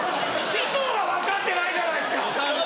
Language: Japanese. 師匠が分かってないじゃないですか！